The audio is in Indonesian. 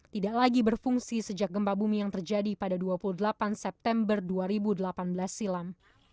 tidak lagi berfungsi sejak gempa bumi yang terjadi pada dua puluh delapan september dua ribu delapan belas silam